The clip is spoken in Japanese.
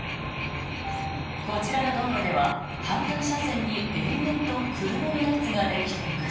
こちらの道路では反対車線に延々と車の列ができています。